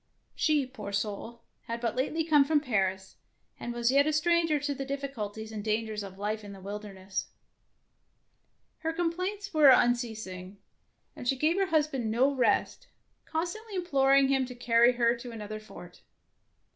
She, poor soul, had but lately come from Paris, and was yet a stranger to the difficulties and dangers of life in the wilderness. 118 DEFENCE OF CASTLE DANGEROUS Her complaints were unceasing, and she gave her husband no rest, con stantly imploring him to carry her to another fort.